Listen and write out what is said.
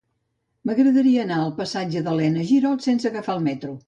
M'agradaria anar al passatge d'Elena Girol sense agafar el metro.